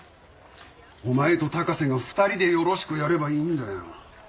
お前と高瀬が２人でよろしくやればいいんだよ。